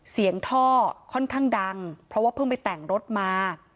ท่อค่อนข้างดังเพราะว่าเพิ่งไปแต่งรถมา